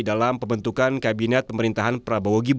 dalam pembentukan kabinet pemerintahan prabowo gibran